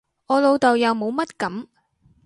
我老豆又冇乜噉